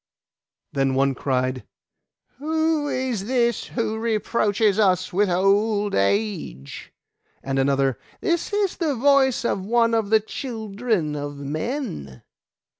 Then one cried, 'Who is this who reproaches us with old age?' And another, 'This is the voice of one of the children of men.